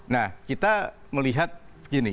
nah kita melihat begini